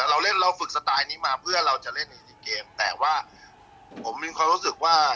เราเล่นเราฝึกสไตล์นี้มาเพื่อเราจะเล่นใน๔เกมแต่ว่าผมมีความรู้สึกว่า